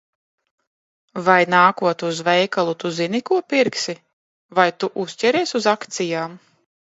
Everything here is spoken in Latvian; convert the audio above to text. Vai, nākot uz veikalu, Tu zini, ko pirksi? Vai Tu uzķeries uz akcijām?